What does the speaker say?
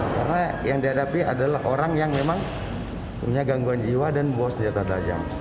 karena yang dihadapi adalah orang yang memang punya gangguan jiwa dan buah senjata tajam